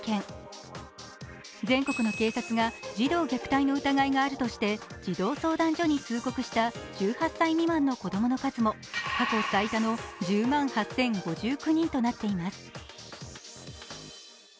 全国の警察が児童虐待の疑いがあるとして児童相談所に通告した１８歳未満の子供の数も過去最多の１０万８０５９人となっています。